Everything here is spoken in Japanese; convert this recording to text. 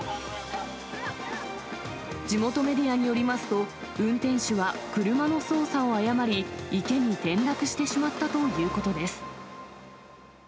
地元メディアによりますと、運転手は車の操作を誤り、池に転落してしまったということです。